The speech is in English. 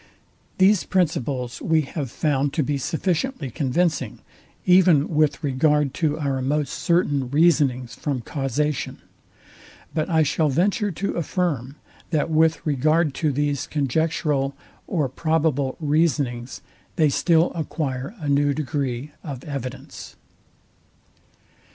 These principles we have found to be sufficiently convincing, even with regard to our most certain reasonings from causation: But I shall venture to affirm, that with regard to these conjectural or probable reasonings they still acquire a new degree of evidence.